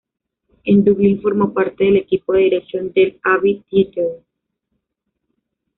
En Dublín formó parte del equipo de dirección del Abbey Theatre.